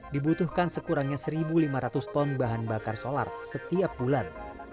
dibutuhkan sekurangnya satu lima ratus ton bahan bakar solar setiap bulan